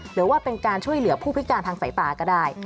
หรือว่าเป็นการช่วยเหลือผู้พิการทางสายตาก็ได้